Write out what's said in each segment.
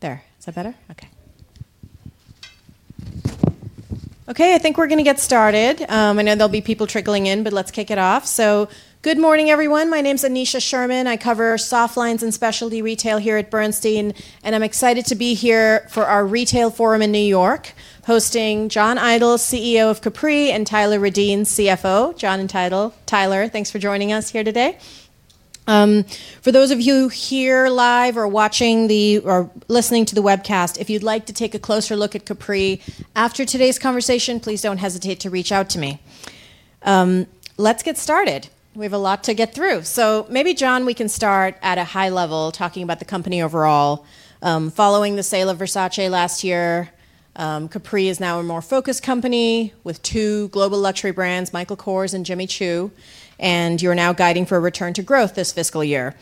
There. Is that better? Okay. Okay, I think we're going to get started. I know there'll be people trickling in, let's kick it off. Good morning, everyone. My name's Aneesha Sherman. I cover soft lines and specialty retail here at Bernstein, and I'm excited to be here for our Retail Forum in New York, hosting John Idol, CEO of Capri, and Tyler Reddien, CFO. John and Tyler, thanks for joining us here today. For those of you here live or watching the, or listening to the webcast, if you'd like to take a closer look at Capri after today's conversation, please don't hesitate to reach out to me. Let's get started. We have a lot to get through. Maybe, John, we can start at a high level talking about the company overall. Following the sale of Versace last year, Capri is now a more focused company with two global luxury brands, Michael Kors and Jimmy Choo, and you're now guiding for a return to growth this fiscal year.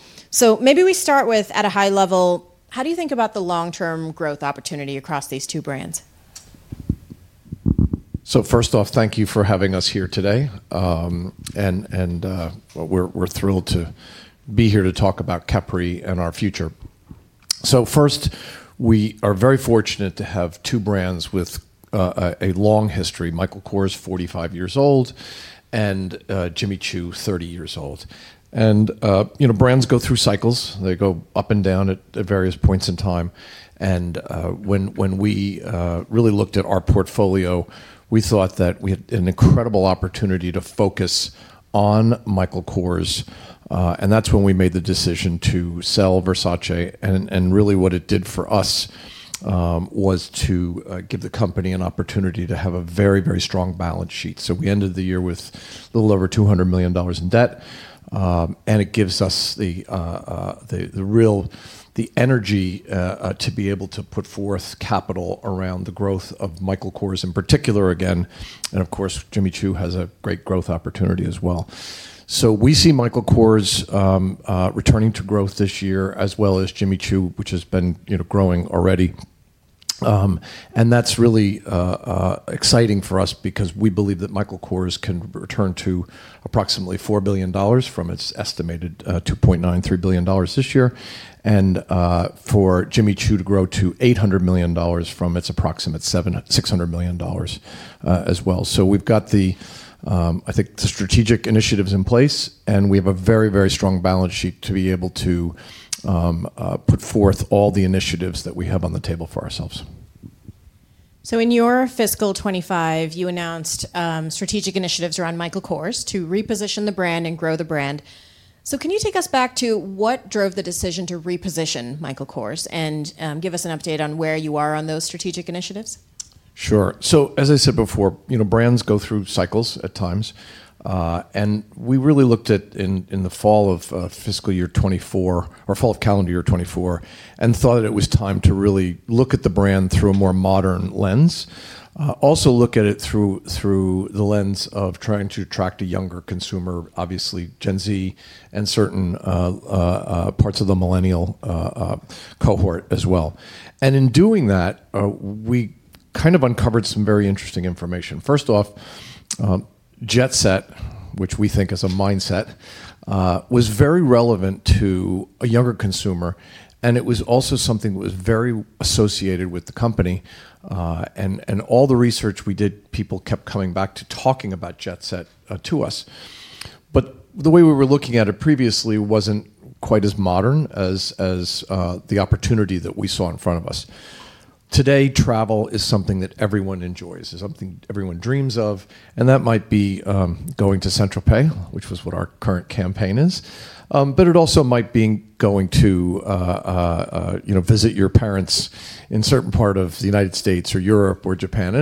Maybe we start with, at a high level, how do you think about the long-term growth opportunity across these two brands? First off, thank you for having us here today. We're thrilled to be here to talk about Capri and our future. First, we are very fortunate to have two brands with a long history. Michael Kors, 45 years old, and Jimmy Choo, 30 years old. Brands go through cycles. They go up and down at various points in time. When we really looked at our portfolio, we thought that we had an incredible opportunity to focus on Michael Kors, and that's when we made the decision to sell Versace. Really what it did for us was to give the company an opportunity to have a very, very strong balance sheet. We ended the year with a little over $200 million in debt, and it gives us the real energy to be able to put forth capital around the growth of Michael Kors in particular again, and of course, Jimmy Choo has a great growth opportunity as well. We see Michael Kors returning to growth this year as well as Jimmy Choo, which has been growing already. That's really exciting for us because we believe that Michael Kors can return to approximately $4 billion from its estimated $2.93 billion this year, and for Jimmy Choo to grow to $800 million from its approximate $600 million as well. We've got the, I think, the strategic initiatives in place, and we have a very, very strong balance sheet to be able to put forth all the initiatives that we have on the table for ourselves. In your fiscal 2025, you announced strategic initiatives around Michael Kors to reposition the brand and grow the brand. Can you take us back to what drove the decision to reposition Michael Kors and give us an update on where you are on those strategic initiatives? Sure. As I said before, brands go through cycles at times. We really looked at, in the fall of fiscal year 2024 or fall of calendar year 2024, and thought that it was time to really look at the brand through a more modern lens. Also look at it through the lens of trying to attract a younger consumer, obviously Gen Z and certain parts of the millennial cohort as well. In doing that, we kind of uncovered some very interesting information. First off, Jet Set, which we think is a mindset, was very relevant to a younger consumer, and it was also something that was very associated with the company. All the research we did, people kept coming back to talking about Jet Set to us. The way we were looking at it previously wasn't quite as modern as the opportunity that we saw in front of us. Today, travel is something that everyone enjoys. It's something everyone dreams of, and that might be going to Saint-Tropez, which was what our current campaign is. It also might mean going to visit your parents in a certain part of the United States or Europe or Japan.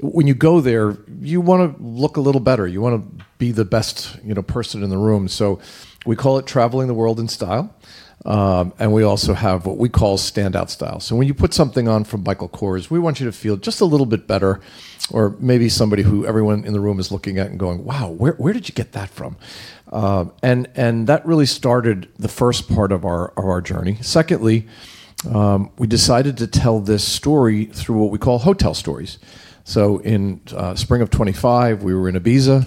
When you go there, you want to look a little better. You want to be the best person in the room. We call it traveling the world in style, and we also have what we call standout style. When you put something on from Michael Kors, we want you to feel just a little bit better or maybe somebody who everyone in the room is looking at and going, "Wow, where did you get that from?" That really started the first part of our journey. Secondly, we decided to tell this story through what we call hotel stories. In spring of 2025, we were in Ibiza.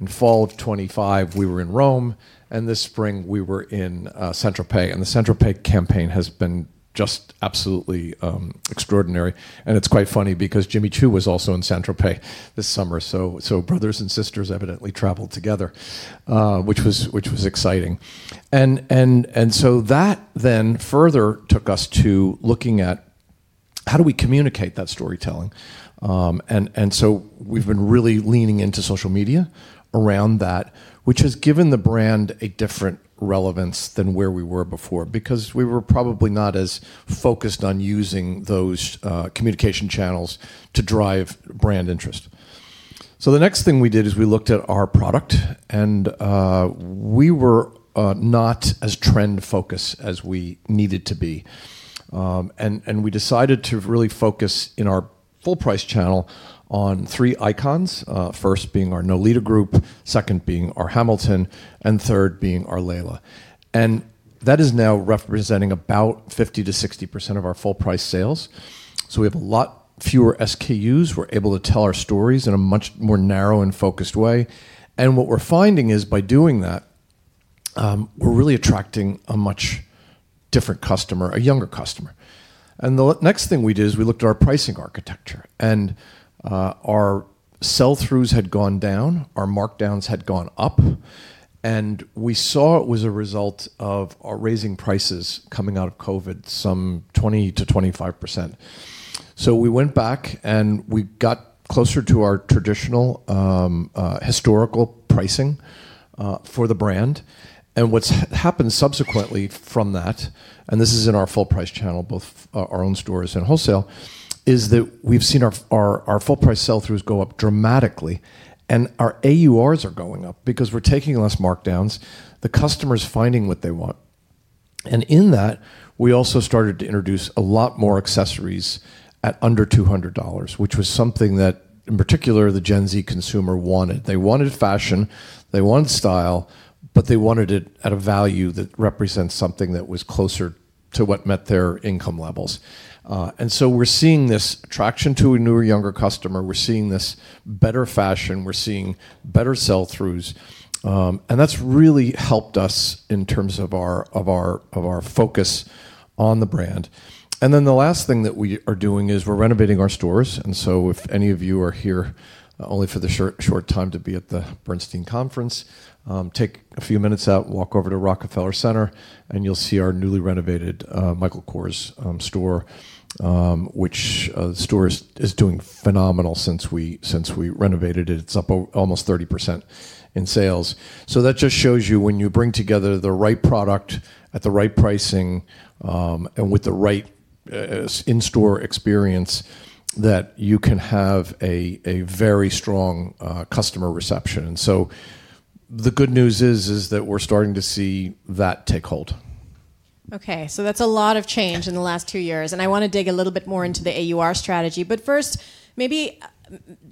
In fall of 2025, we were in Rome, and this spring, we were in Saint-Tropez. The Saint-Tropez campaign has been just absolutely extraordinary, and it's quite funny because Jimmy Choo was also in Saint-Tropez this summer, so brothers and sisters evidently traveled together, which was exciting. That then further took us to looking at how do we communicate that storytelling. We've been really leaning into social media around that, which has given the brand a different relevance than where we were before because we were probably not as focused on using those communication channels to drive brand interest. The next thing we did is we looked at our product, and we were not as trend-focused as we needed to be. We decided to really focus in our full-price channel on three icons, first being our Nolita group, second being our Hamilton, and third being our Leila. That is now representing about 50%-60% of our full-price sales. We have a lot fewer SKUs. We're able to tell our stories in a much more narrow and focused way. What we're finding is by doing that, we're really attracting a much different customer, a younger customer. The next thing we did is we looked at our pricing architecture, and our sell-throughs had gone down, our markdowns had gone up, and we saw it was a result of our raising prices coming out of COVID, some 20%-25%. We went back, and we got closer to our traditional, historical pricing for the brand. What's happened subsequently from that, and this is in our full price channel, both our own stores and wholesale, is that we've seen our full price sell-throughs go up dramatically, and our AURs are going up because we're taking less markdowns. The customer is finding what they want. In that, we also started to introduce a lot more accessories at under $200, which was something that, in particular, the Gen Z consumer wanted. They wanted fashion, they wanted style, but they wanted it at a value that represents something that was closer to what met their income levels. We're seeing this attraction to a newer, younger customer. We're seeing this better fashion. We're seeing better sell-throughs. That's really helped us in terms of our focus on the brand. The last thing that we are doing is we're renovating our stores. If any of you are here only for the short time to be at the Bernstein conference, take a few minutes out and walk over to Rockefeller Center, and you'll see our newly renovated Michael Kors store, which the store is doing phenomenal since we renovated it. It's up almost 30% in sales. That just shows you when you bring together the right product at the right pricing, and with the right in-store experience, that you can have a very strong customer reception. The good news is that we're starting to see that take hold. Okay, that's a lot of change in the last two years, and I want to dig a little bit more into the AUR strategy. First, maybe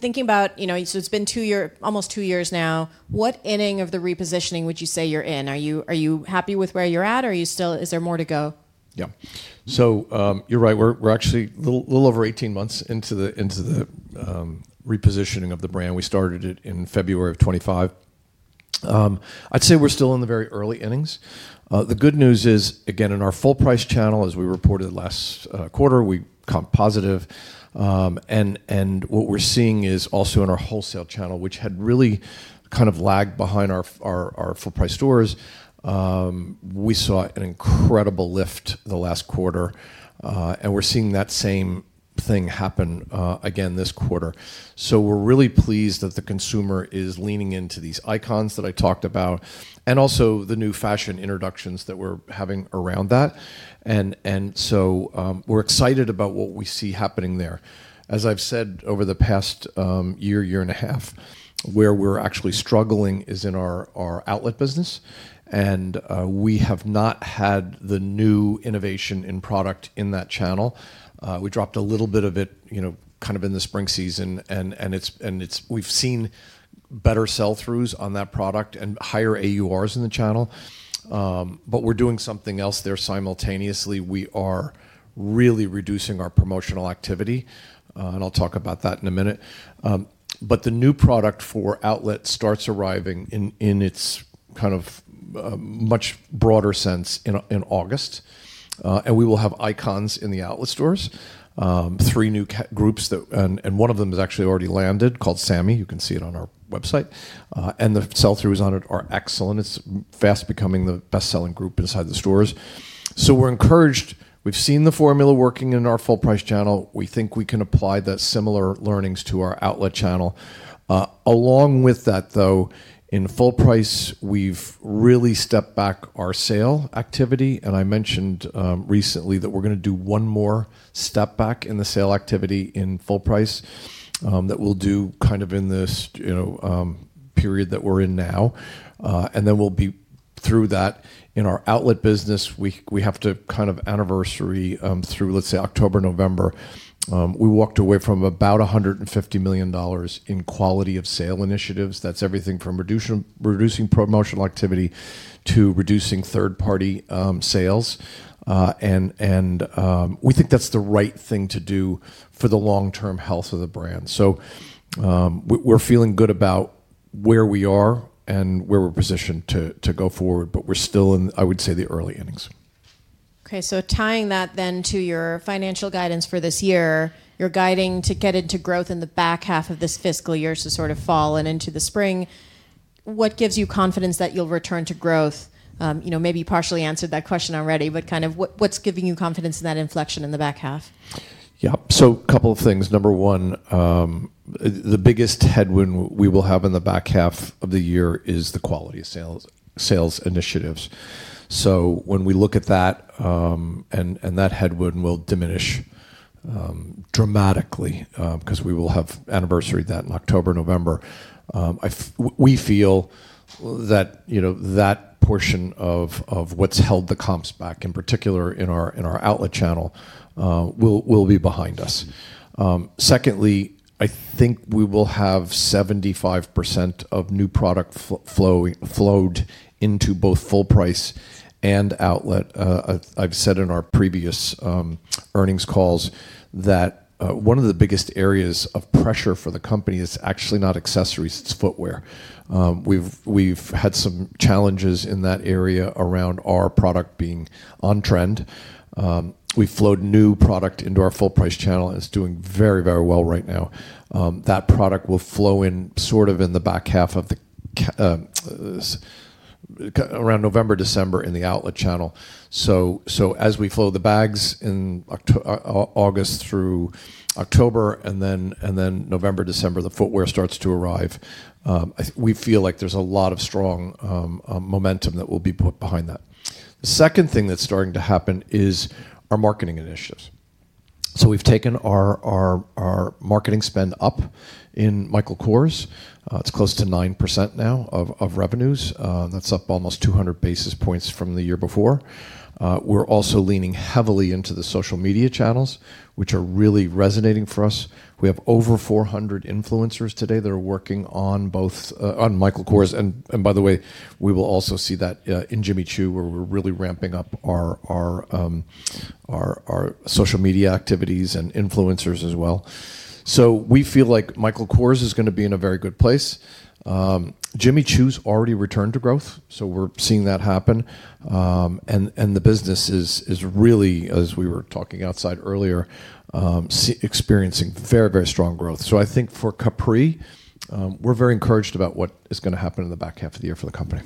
thinking about, it's been almost two years now, what inning of the repositioning would you say you're in? Are you happy with where you're at, or is there more to go? Yeah. You're right. We're actually a little over 18 months into the repositioning of the brand. We started it in February 2025. I'd say we're still in the very early innings. The good news is, again, in our full price channel, as we reported last quarter, we comp positive. What we're seeing is also in our wholesale channel, which had really lagged behind our full price stores. We saw an incredible lift the last quarter, and we're seeing that same thing happen again this quarter. We're really pleased that the consumer is leaning into these icons that I talked about, and also the new fashion introductions that we're having around that. We're excited about what we see happening there. As I've said over the past year and a half, where we're actually struggling is in our outlet business, and we have not had the new innovation in product in that channel. We dropped a little bit of it in the spring season, and we've seen better sell-throughs on that product and higher AURs in the channel. We're doing something else there simultaneously. We are really reducing our promotional activity, and I'll talk about that in a minute. The new product for outlet starts arriving in its much broader sense in August. We will have icons in the outlet stores, three new groups, and one of them has actually already landed, called Sammy. You can see it on our website. The sell-throughs on it are excellent. It's fast becoming the best-selling group inside the stores. We're encouraged. We've seen the formula working in our full price channel. We think we can apply the similar learnings to our outlet channel. Along with that, though, in full price, we've really stepped back our sale activity, and I mentioned recently that we're going to do one more step back in the sale activity in full price, that we'll do in this period that we're in now. Then we'll be through that. In our outlet business, we have to anniversary through, let's say, October, November. We walked away from about $150 million in quality of sales initiatives. That's everything from reducing promotional activity to reducing third-party sales. We think that's the right thing to do for the long-term health of the brand. We're feeling good about where we are and where we're positioned to go forward, but we're still in, I would say, the early innings. Okay, tying that then to your financial guidance for this year, you're guiding to get into growth in the back half of this fiscal year, sort of fall and into the spring. What gives you confidence that you'll return to growth? Maybe you partially answered that question already, what's giving you confidence in that inflection in the back half? Yeah. A couple of things. Number one, the biggest headwind we will have in the back half of the year is the quality of sales initiatives. When we look at that headwind will diminish dramatically, because we will have anniversaried that in October, November. We feel that portion of what's held the comps back, in particular in our outlet channel, will be behind us. Secondly, I think we will have 75% of new product flowed into both full price and outlet. I've said in our previous earnings calls that one of the biggest areas of pressure for the company is actually not accessories, it's footwear. We've had some challenges in that area around our product being on trend. We flowed new product into our full price channel, it's doing very, very well right now. That product will flow in sort of in the back half of the year, November, December in the outlet channel. As we flow the bags in August through October, November, December, the footwear starts to arrive. We feel like there's a lot of strong momentum that will be put behind that. The second thing that's starting to happen is our marketing initiatives. We've taken our marketing spend up in Michael Kors. It's close to 9% now of revenues. That's up almost 200 basis points from the year before. We're also leaning heavily into the social media channels, which are really resonating for us. We have over 400 influencers today that are working on Michael Kors. By the way, we will also see that in Jimmy Choo, where we're really ramping up our social media activities and influencers as well. We feel like Michael Kors is going to be in a very good place. Jimmy Choo's already returned to growth, we're seeing that happen. The business is really, as we were talking outside earlier, experiencing very strong growth. I think for Capri, we're very encouraged about what is going to happen in the back half of the year for the company.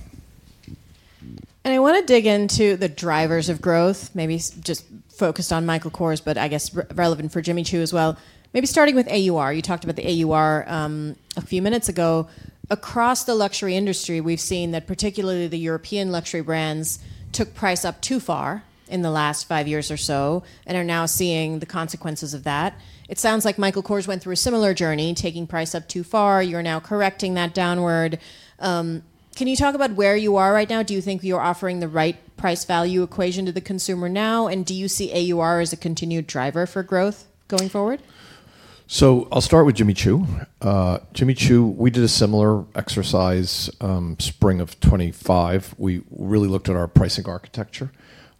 I want to dig into the drivers of growth, maybe just focused on Michael Kors, but I guess relevant for Jimmy Choo as well. Starting with AUR. You talked about the AUR a few minutes ago. Across the luxury industry, we've seen that particularly the European luxury brands took price up too far in the last five years or so and are now seeing the consequences of that. It sounds like Michael Kors went through a similar journey, taking price up too far. You're now correcting that downward. Can you talk about where you are right now? Do you think you're offering the right price-value equation to the consumer now, and do you see AUR as a continued driver for growth going forward? I'll start with Jimmy Choo. Jimmy Choo, we did a similar exercise spring of 2025. We really looked at our pricing architecture.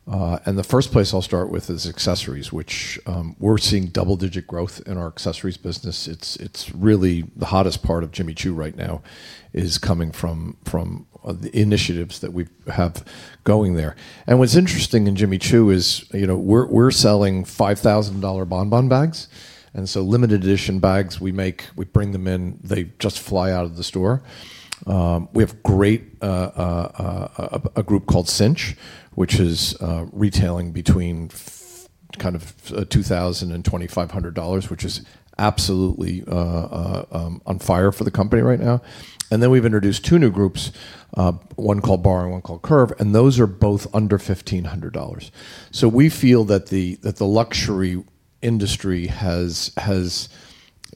The first place I'll start with is accessories, which we're seeing double-digit growth in our accessories business. It's really the hottest part of Jimmy Choo right now is coming from the initiatives that we have going there. What's interesting in Jimmy Choo is we're selling $5,000 Bon Bon bags. Limited edition bags we make, we bring them in, they just fly out of the store. We have a group called Cinch, which is retailing between $2,000-$2,500, which is absolutely on fire for the company right now. Then we've introduced two new groups, one called Bar and one called Curve, and those are both under $1,500. We feel that the luxury industry has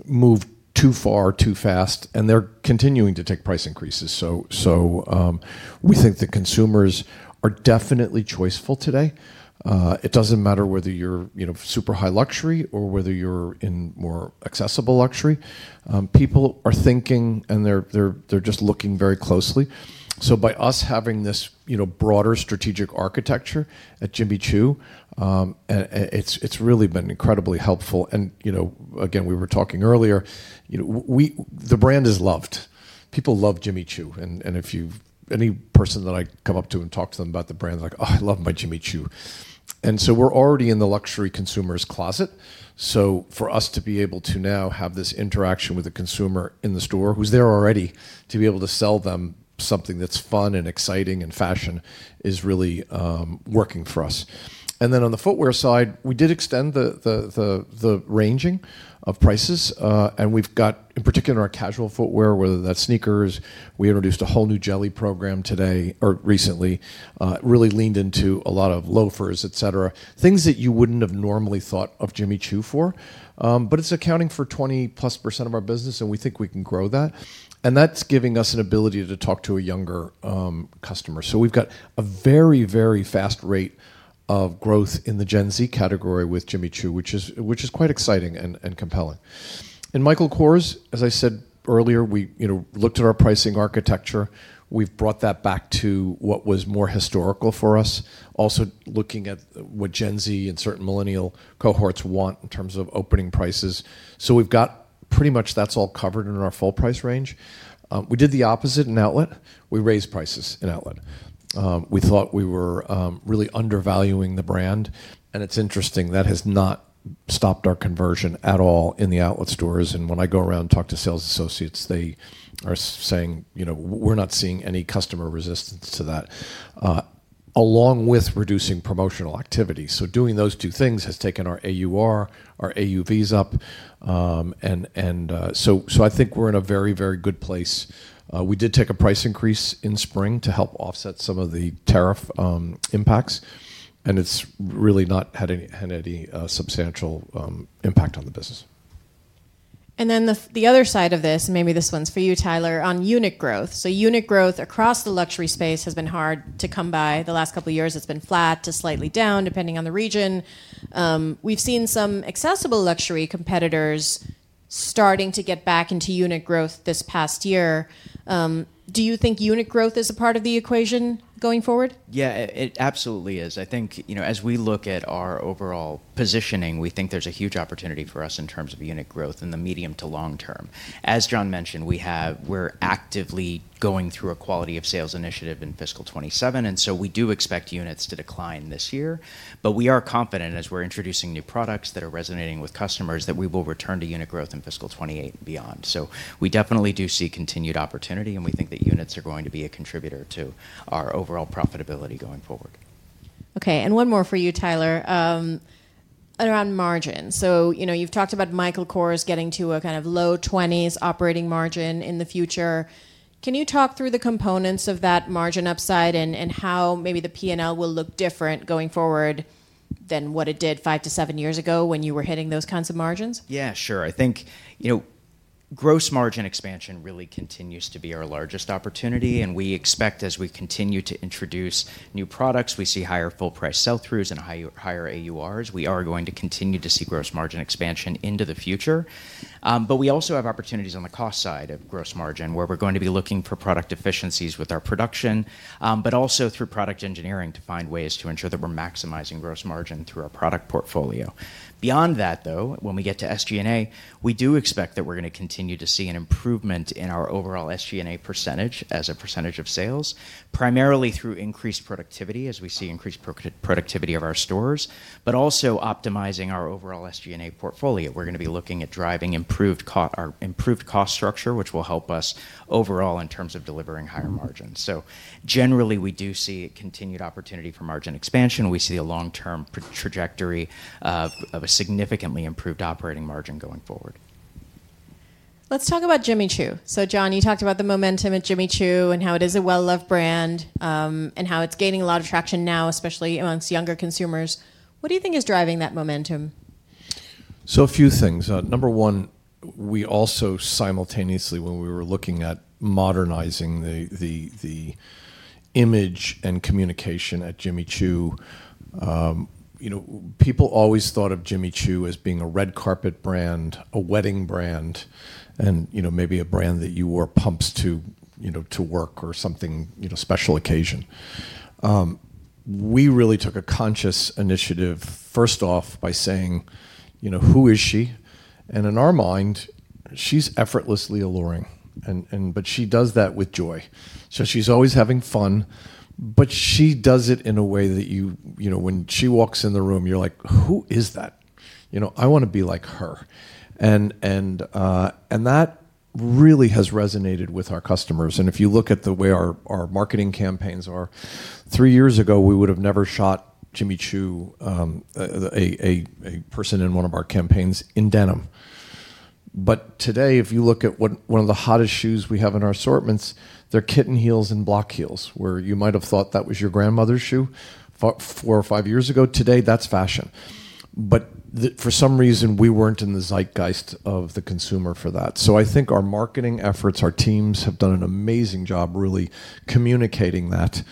moved too far too fast, and they're continuing to take price increases. We think the consumers are definitely choiceful today. It doesn't matter whether you're super high luxury or whether you're in more accessible luxury. People are thinking and they're just looking very closely. By us having this broader strategic architecture at Jimmy Choo, it's really been incredibly helpful. Again, we were talking earlier, the brand is loved. People love Jimmy Choo, and any person that I come up to and talk to them about the brand, they're like, "Oh, I love my Jimmy Choo." We're already in the luxury consumer's closet. For us to be able to now have this interaction with a consumer in the store who's there already to be able to sell them something that's fun and exciting and fashion is really working for us. Then on the footwear side, we did extend the ranging of prices, and we've got in particular our casual footwear, whether that's sneakers. We introduced a whole new jelly program today or recently, really leaned into a lot of loafers, etc. Things that you wouldn't have normally thought of Jimmy Choo for, but it's accounting for 20+% of our business, and we think we can grow that. That's giving us an ability to talk to a younger customer. We've got a very fast rate of growth in the Gen Z category with Jimmy Choo, which is quite exciting and compelling. Michael Kors, as I said earlier, we looked at our pricing architecture. We've brought that back to what was more historical for us. Also looking at what Gen Z and certain millennial cohorts want in terms of opening prices. We've got pretty much that's all covered in our full price range. We did the opposite in outlet. We raised prices in outlet. We thought we were really undervaluing the brand, it's interesting, that has not stopped our conversion at all in the outlet stores. When I go around and talk to sales associates, they are saying, "We're not seeing any customer resistance to that." Along with reducing promotional activity. Doing those two things has taken our AUR, our AUVs up. I think we're in a very good place. We did take a price increase in spring to help offset some of the tariff impacts, it's really not had any substantial impact on the business. The other side of this, maybe this one's for you, Tyler, on unit growth. Unit growth across the luxury space has been hard to come by. The last couple of years, it's been flat to slightly down, depending on the region. We've seen some accessible luxury competitors starting to get back into unit growth this past year. Do you think unit growth is a part of the equation going forward? Yeah, it absolutely is. I think as we look at our overall positioning, we think there's a huge opportunity for us in terms of unit growth in the medium to long term. As John mentioned, we're actively going through a quality of sales initiative in fiscal 2027, we do expect units to decline this year. We are confident as we're introducing new products that are resonating with customers, that we will return to unit growth in fiscal 2028 and beyond. We definitely do see continued opportunity, and we think that units are going to be a contributor to our overall profitability going forward. Okay, one more for you, Tyler, around margin. You've talked about Michael Kors getting to a low 20s operating margin in the future. Can you talk through the components of that margin upside and how maybe the P&L will look different going forward than what it did five to seven years ago when you were hitting those kinds of margins? Yeah, sure. I think gross margin expansion really continues to be our largest opportunity. We expect, as we continue to introduce new products, we see higher full price sell-throughs and higher AURs. We are going to continue to see gross margin expansion into the future. We also have opportunities on the cost side of gross margin, where we're going to be looking for product efficiencies with our production, but also through product engineering to find ways to ensure that we're maximizing gross margin through our product portfolio. Beyond that, though, when we get to SG&A, we do expect that we're going to continue to see an improvement in our overall SG&A percentage as a percentage of sales, primarily through increased productivity as we see increased productivity of our stores, but also optimizing our overall SG&A portfolio. We're going to be looking at driving our improved cost structure, which will help us overall in terms of delivering higher margins. Generally, we do see a continued opportunity for margin expansion. We see a long-term trajectory of a significantly improved operating margin going forward. Let's talk about Jimmy Choo. John, you talked about the momentum at Jimmy Choo and how it is a well-loved brand, and how it's gaining a lot of traction now, especially amongst younger consumers. What do you think is driving that momentum? A few things. Number one, we also simultaneously, when we were looking at modernizing the image and communication at Jimmy Choo, people always thought of Jimmy Choo as being a red carpet brand, a wedding brand, and maybe a brand that you wore pumps to work or something, special occasion. We really took a conscious initiative, first off, by saying, "Who is she?" In our mind, she's effortlessly alluring, but she does that with joy. She's always having fun, but she does it in a way that when she walks in the room, you're like, "Who is that? I want to be like her." That really has resonated with our customers. If you look at the way our marketing campaigns are, three years ago, we would have never shot Jimmy Choo, a person in one of our campaigns, in denim. Today, if you look at one of the hottest shoes we have in our assortments, they're kitten heels and block heels, where you might have thought that was your grandmother's shoe four or five years ago. Today, that's fashion. For some reason, we weren't in the zeitgeist of the consumer for that. I think our marketing efforts, our teams, have done an amazing job really communicating that,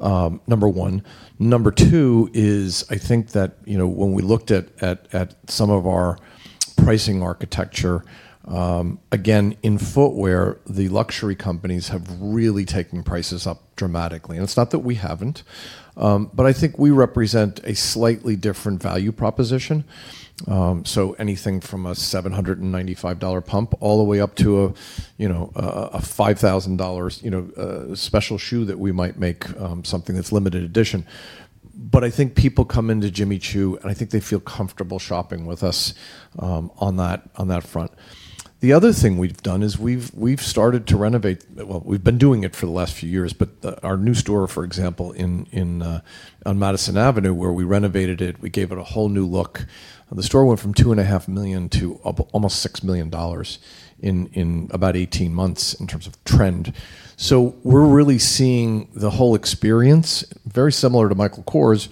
number one. Number two is I think that when we looked at some of our pricing architecture, again, in footwear, the luxury companies have really taken prices up dramatically. It's not that we haven't, but I think we represent a slightly different value proposition. Anything from a $795 pump all the way up to a $5,000 special shoe that we might make, something that's limited edition. I think people come into Jimmy Choo, and I think they feel comfortable shopping with us on that front. The other thing we've done is we've started to renovate, we've been doing it for the last few years, but our new store, for example, on Madison Avenue, where we renovated it, we gave it a whole new look. The store went from $2.5 million to almost $6 million in about 18 months in terms of trend. We're really seeing the whole experience, very similar to Michael Kors,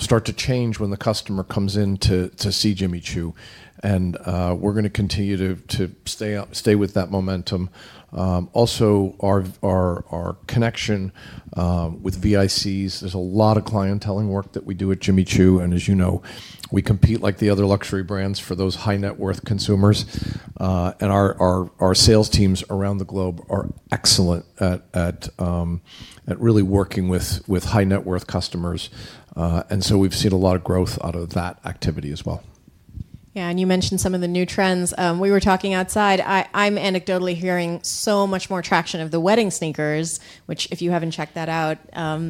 start to change when the customer comes in to see Jimmy Choo, and we're going to continue to stay with that momentum. Also, our connection with VICs, there's a lot of Clienteling work that we do at Jimmy Choo, and as you know, we compete like the other luxury brands for those high-net-worth consumers. Our sales teams around the globe are excellent at really working with high-net-worth customers. We've seen a lot of growth out of that activity as well. You mentioned some of the new trends. We were talking outside. I'm anecdotally hearing so much more traction of the wedding sneakers, which if you haven't checked that out,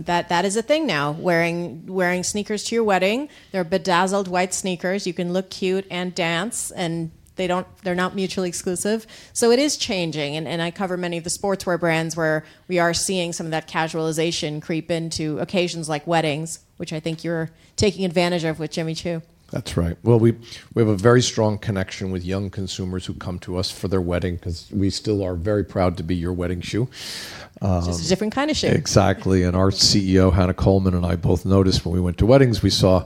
that is a thing now, wearing sneakers to your wedding. They're bedazzled white sneakers. You can look cute and dance, and they're not mutually exclusive. It is changing, and I cover many of the sportswear brands where we are seeing some of that casualization creep into occasions like weddings, which I think you're taking advantage of with Jimmy Choo. That's right. We have a very strong connection with young consumers who come to us for their wedding because we still are very proud to be your wedding shoe. It's just a different kind of shoe. Exactly. Our CEO, Hannah Colman, and I both noticed when we went to weddings, we saw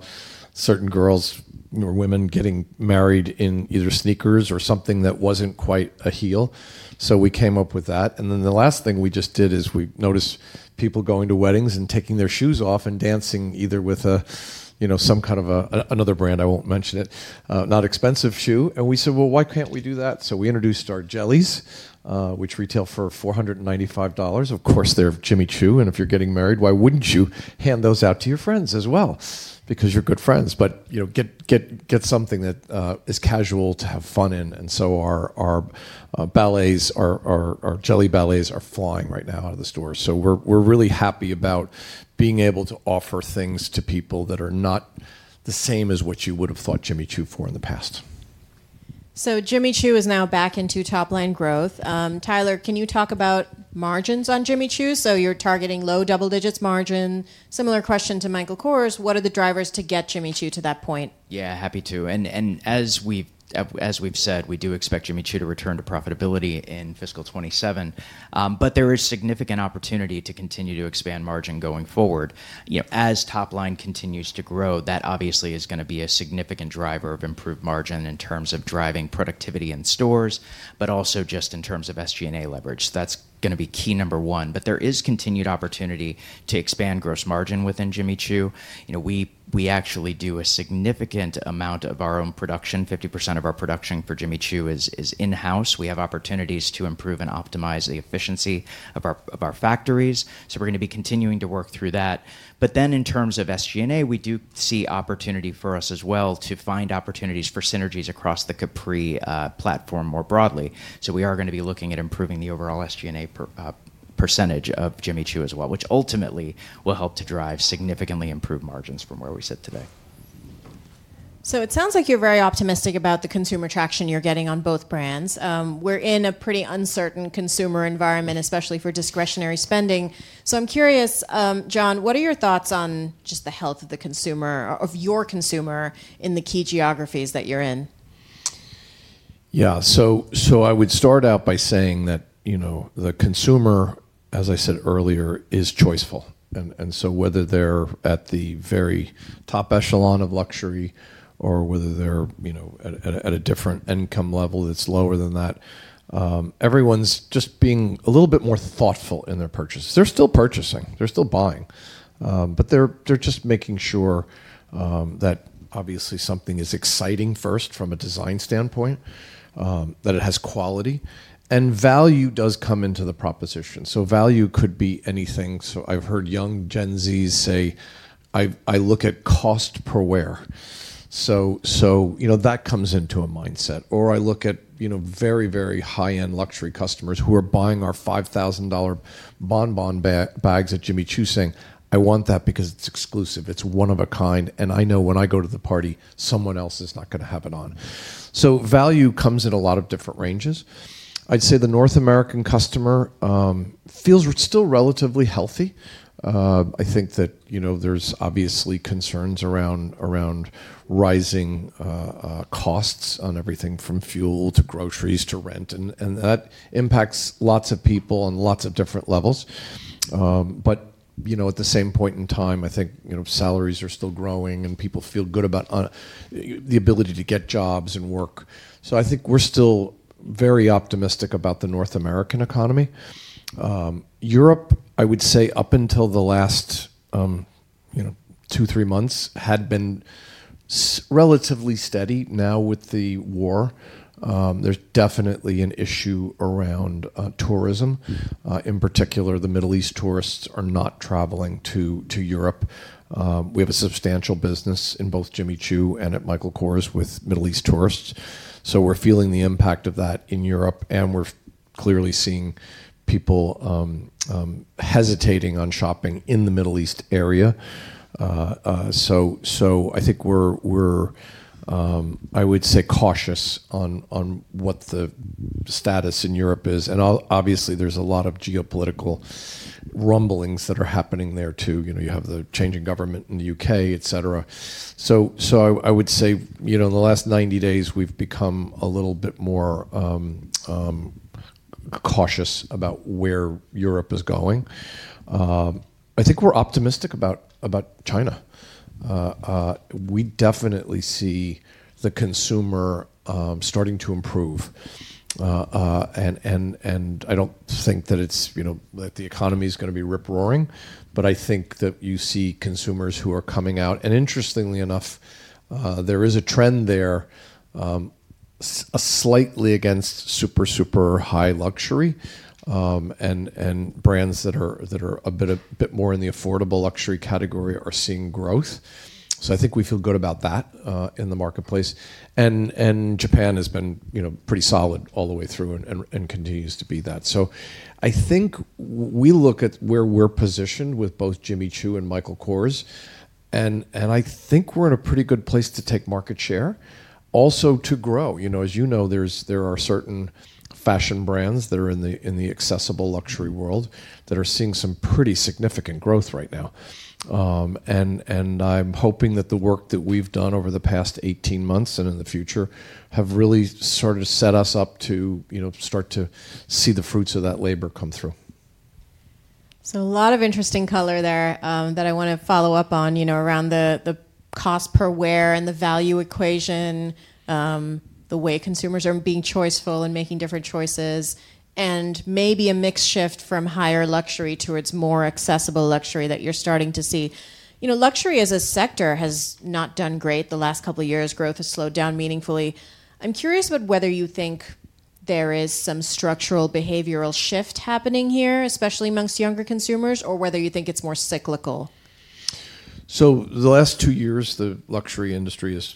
certain girls or women getting married in either sneakers or something that wasn't quite a heel. We came up with that. The last thing we just did is we noticed people going to weddings and taking their shoes off and dancing either with some kind of a, another brand, I won't mention it, not expensive shoe, and we said, "Why can't we do that?" We introduced our jellies, which retail for $495. Of course, they're Jimmy Choo, and if you're getting married, why wouldn't you hand those out to your friends as well? Because you're good friends. Get something that is casual to have fun in. Our jelly ballets are flying right now out of the stores. We're really happy about being able to offer things to people that are not the same as what you would have thought Jimmy Choo for in the past. Jimmy Choo is now back into top-line growth. Tyler, can you talk about margins on Jimmy Choo? You're targeting low double digits margin. Similar question to Michael Kors, what are the drivers to get Jimmy Choo to that point? Yeah, happy to. As we've said, we do expect Jimmy Choo to return to profitability in fiscal 2027. There is significant opportunity to continue to expand margin going forward. As top line continues to grow, that obviously is going to be a significant driver of improved margin in terms of driving productivity in stores, but also just in terms of SG&A leverage. That's going to be key number one. There is continued opportunity to expand gross margin within Jimmy Choo. We actually do a significant amount of our own production. 50% of our production for Jimmy Choo is in-house. We have opportunities to improve and optimize the efficiency of our factories. We're going to be continuing to work through that. In terms of SG&A, we do see opportunity for us as well to find opportunities for synergies across the Capri platform more broadly. We are going to be looking at improving the overall SG&A percentage of Jimmy Choo as well, which ultimately will help to drive significantly improved margins from where we sit today. It sounds like you're very optimistic about the consumer traction you're getting on both brands. We're in a pretty uncertain consumer environment, especially for discretionary spending. I'm curious, John, what are your thoughts on just the health of the consumer, of your consumer in the key geographies that you're in? I would start out by saying that the consumer, as I said earlier, is choiceful, whether they're at the very top echelon of luxury or whether they're at a different income level that's lower than that, everyone's just being a little bit more thoughtful in their purchases. They're still purchasing, they're still buying. They're just making sure that obviously something is exciting first from a design standpoint, that it has quality, and value does come into the proposition. Value could be anything. I've heard young Gen Zs say, "I look at cost per wear." That comes into a mindset. I look at very high-end luxury customers who are buying our $5,000 Bon Bon bags at Jimmy Choo saying, "I want that because it's exclusive, it's one of a kind, and I know when I go to the party, someone else is not going to have it on." Value comes in a lot of different ranges. I'd say the North American customer feels still relatively healthy. I think that there's obviously concerns around rising costs on everything from fuel to groceries to rent, that impacts lots of people on lots of different levels. At the same point in time, I think salaries are still growing and people feel good about the ability to get jobs and work. I think we're still very optimistic about the North American economy. Europe, I would say up until the last two, three months, had been relatively steady. Now with the war, there's definitely an issue around tourism. In particular, the Middle East tourists are not traveling to Europe. We have a substantial business in both Jimmy Choo and at Michael Kors with Middle East tourists. We're feeling the impact of that in Europe, we're clearly seeing people hesitating on shopping in the Middle East area. I think we're, I would say, cautious on what the status in Europe is, obviously there's a lot of geopolitical rumblings that are happening there too. You have the change in government in the U.K., etc. I would say in the last 90 days, we've become a little bit more cautious about where Europe is going. I think we're optimistic about China. We definitely see the consumer starting to improve. I don't think that the economy's going to be rip-roaring, I think that you see consumers who are coming out, and interestingly enough, there is a trend there slightly against super high luxury, and brands that are a bit more in the affordable luxury category are seeing growth. I think we feel good about that in the marketplace. Japan has been pretty solid all the way through and continues to be that. I think we look at where we're positioned with both Jimmy Choo and Michael Kors, and I think we're in a pretty good place to take market share, also to grow. As you know, there are certain fashion brands that are in the accessible luxury world that are seeing some pretty significant growth right now. I'm hoping that the work that we've done over the past 18 months and in the future have really sort of set us up to start to see the fruits of that labor come through. A lot of interesting color there that I want to follow up on around the cost per wear and the value equation, the way consumers are being choiceful and making different choices, and maybe a mix shift from higher luxury towards more accessible luxury that you're starting to see. Luxury as a sector has not done great the last couple of years. Growth has slowed down meaningfully. I'm curious about whether you think there is some structural behavioral shift happening here, especially amongst younger consumers, or whether you think it's more cyclical. The last two years, the luxury industry has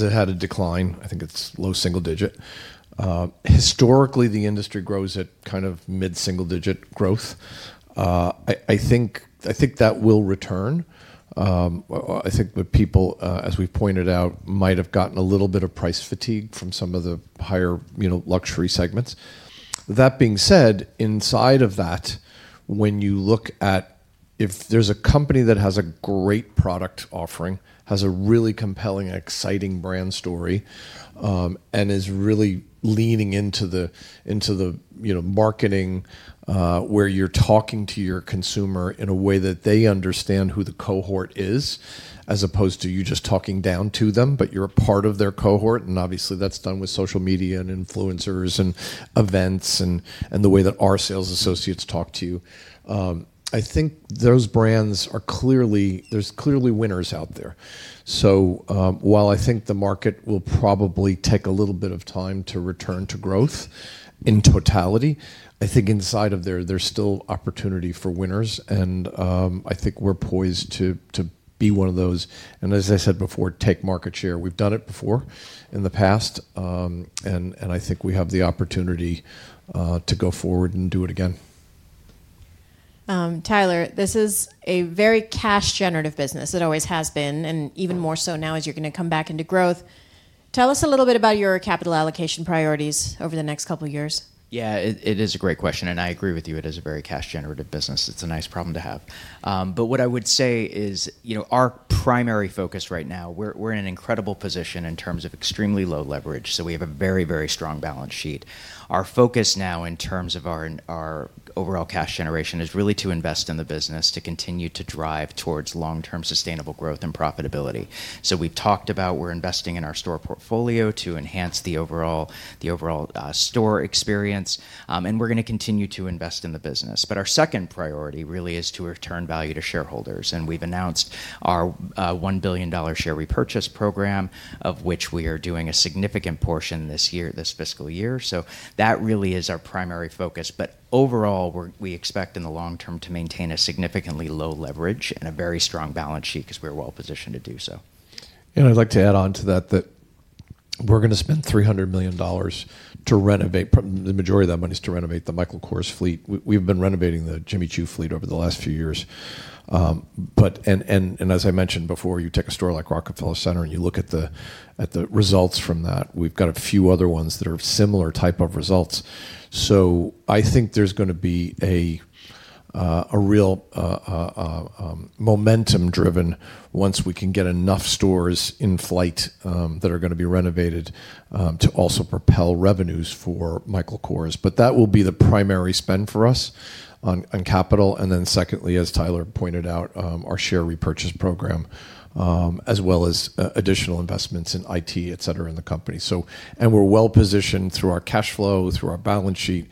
had a decline. I think it's low single digit. Historically, the industry grows at mid-single-digit growth. I think that will return. I think that people, as we've pointed out, might have gotten a little bit of price fatigue from some of the higher luxury segments. That being said, inside of that, when you look at if there's a company that has a great product offering, has a really compelling and exciting brand story, and is really leaning into the marketing, where you're talking to your consumer in a way that they understand who the cohort is, as opposed to you just talking down to them, but you're a part of their cohort, and obviously that's done with social media and influencers and events and the way that our sales associates talk to you. I think there's clearly winners out there. While I think the market will probably take a little bit of time to return to growth in totality, I think inside of there's still opportunity for winners and, I think we're poised to be one of those, and as I said before, take market share. We've done it before in the past, and I think we have the opportunity to go forward and do it again. Tyler, this is a very cash-generative business. It always has been, and even more so now as you're going to come back into growth. Tell us a little bit about your capital allocation priorities over the next couple of years. It is a great question, and I agree with you, it is a very cash-generative business. It's a nice problem to have. What I would say is, our primary focus right now, we're in an incredible position in terms of extremely low leverage. We have a very, very strong balance sheet. Our focus now in terms of our overall cash generation is really to invest in the business, to continue to drive towards long-term sustainable growth and profitability. We've talked about we're investing in our store portfolio to enhance the overall store experience, and we're going to continue to invest in the business. Our second priority really is to return value to shareholders, and we've announced our $1 billion share repurchase program, of which we are doing a significant portion this fiscal year. That really is our primary focus. Overall, we expect in the long term to maintain a significantly low leverage and a very strong balance sheet because we're well-positioned to do so. I'd like to add on to that we're going to spend $300 million, the majority of that money, is to renovate the Michael Kors fleet. We've been renovating the Jimmy Choo fleet over the last few years. As I mentioned before, you take a store like Rockefeller Center, and you look at the results from that. We've got a few other ones that are similar type of results. I think there's going to be a real momentum driven once we can get enough stores in flight that are going to be renovated to also propel revenues for Michael Kors. That will be the primary spend for us on capital. Then secondly, as Tyler pointed out, our share repurchase program, as well as additional investments in IT, etc, in the company. We're well-positioned through our cash flow, through our balance sheet,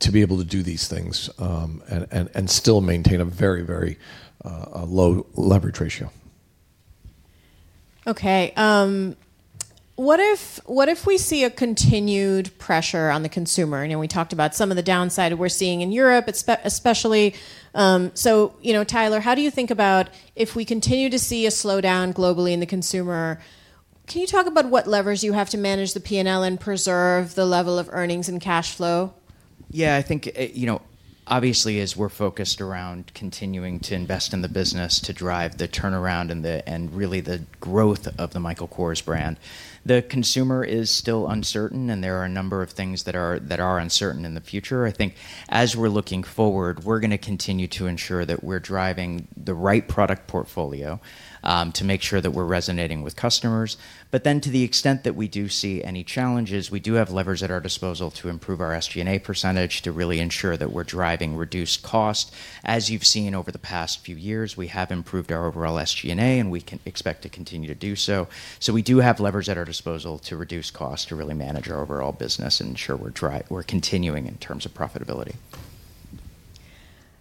to be able to do these things, and still maintain a very low leverage ratio. Okay. What if we see a continued pressure on the consumer? We talked about some of the downside we're seeing in Europe, especially. Tyler, how do you think about if we continue to see a slowdown globally in the consumer, can you talk about what levers you have to manage the P&L and preserve the level of earnings and cash flow? Yeah, I think, obviously, as we're focused around continuing to invest in the business to drive the turnaround and really the growth of the Michael Kors brand. The consumer is still uncertain, and there are a number of things that are uncertain in the future. I think as we're looking forward, we're going to continue to ensure that we're driving the right product portfolio, to make sure that we're resonating with customers. To the extent that we do see any challenges, we do have levers at our disposal to improve our SG&A percentage to really ensure that we're driving reduced cost. As you've seen over the past few years, we have improved our overall SG&A, and we can expect to continue to do so. We do have levers at our disposal to reduce cost, to really manage our overall business and ensure we're continuing in terms of profitability.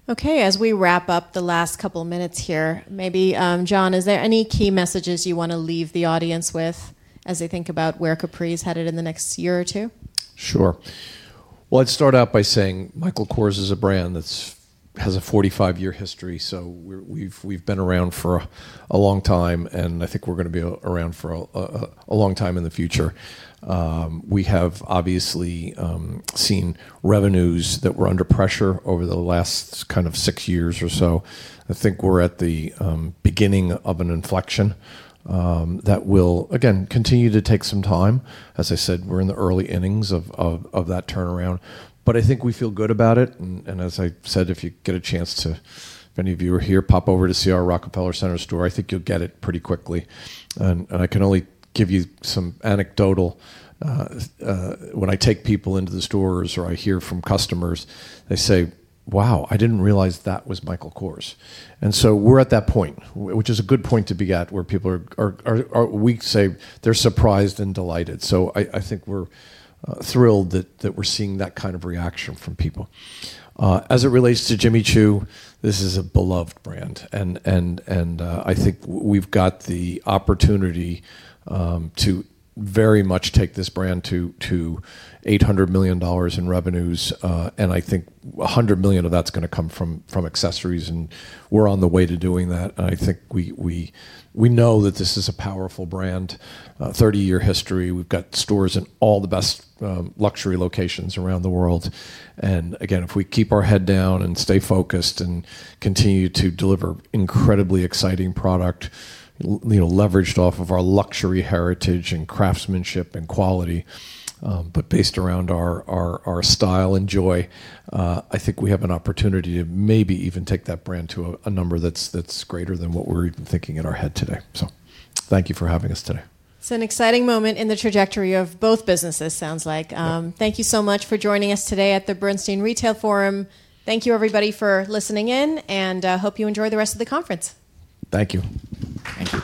Okay, as we wrap up the last couple of minutes here, maybe, John, is there any key messages you want to leave the audience with as they think about where Capri is headed in the next year or two? Sure. Well, I'd start out by saying Michael Kors is a brand that has a 45-year history, so we've been around for a long time, and I think we're going to be around for a long time in the future. We have obviously seen revenues that were under pressure over the last six years or so. I think we're at the beginning of an inflection that will, again, continue to take some time. As I said, we're in the early innings of that turnaround. I think we feel good about it, and as I said, if any of you are here, pop over to see our Rockefeller Center store, I think you'll get it pretty quickly. I can only give you some anecdotal When I take people into the stores or I hear from customers, they say, "Wow, I didn't realize that was Michael Kors." We're at that point, which is a good point to be at, where we say they're surprised and delighted. I think we're thrilled that we're seeing that kind of reaction from people. As it relates to Jimmy Choo, this is a beloved brand, and I think we've got the opportunity to very much take this brand to $800 million in revenues, and I think $100 million of that's going to come from accessories, and we're on the way to doing that. I think we know that this is a powerful brand, 30-year history. We've got stores in all the best luxury locations around the world. Again, if we keep our head down and stay focused and continue to deliver incredibly exciting product, leveraged off of our luxury heritage and craftsmanship and quality, but based around our style and joy, I think we have an opportunity to maybe even take that brand to a number that's greater than what we're even thinking in our head today. Thank you for having us today. It's an exciting moment in the trajectory of both businesses, sounds like. Yeah. Thank you so much for joining us today at the Bernstein Retail Forum. Thank you everybody for listening in, and hope you enjoy the rest of the conference. Thank you. Thank you.